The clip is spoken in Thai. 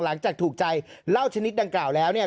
หลังจากถูกใจเหล้าชนิดดังกล่าวแล้วเนี่ย